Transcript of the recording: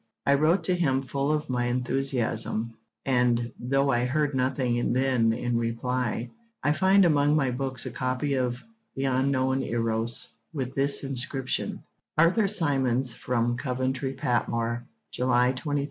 I wrote to him full of my enthusiasm; and, though I heard nothing then in reply, I find among my books a copy of The Unknown Eros with this inscription: 'Arthur Symons, from Coventry Patmore, July 23, 1890.'